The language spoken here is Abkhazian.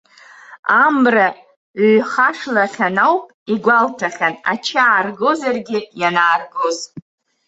Амра ҩхашлахьан ауп, игәалҭахьан, ача ааргозаргьы ианааргоз.